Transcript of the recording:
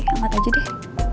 amat aja deh